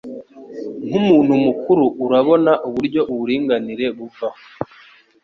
nkumuntu mukuru urabona uburyo uburinganire buvaho